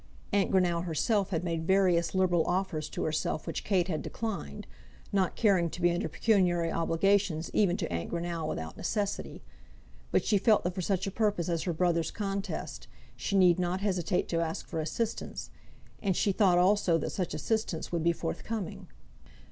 Aunt Greenow herself had made various liberal offers to herself which Kate had declined, not caring to be under pecuniary obligations even to Aunt Greenow without necessity; but she felt that for such a purpose as her brother's contest, she need not hesitate to ask for assistance, and she thought also that such assistance would be forthcoming.